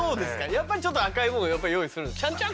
やっぱりちょっと赤いものを用意するんですか？